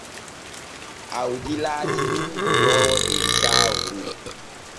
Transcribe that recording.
Awdi laati nun duroowo der Saaworu.